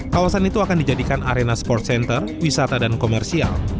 kawasan itu akan dijadikan arena sport center wisata dan komersial